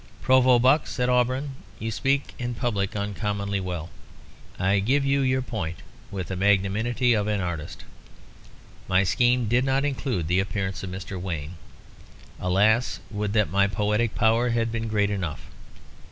"Provost Buck," said Auberon, "you speak in public uncommonly well. I give you your point with the magnanimity of an artist. My scheme did not include the appearance of Mr. Wayne. Alas! would that my poetic power had been great enough."